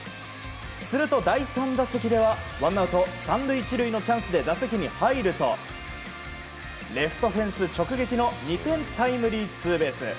すると第３打席ではワンアウト３塁１塁のチャンスで打席に入るとレフトフェンス直撃の２点タイムリーツーベース。